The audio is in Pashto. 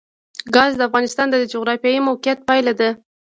ګاز د افغانستان د جغرافیایي موقیعت پایله ده.